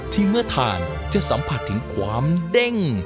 เมื่อทานจะสัมผัสถึงความเด้ง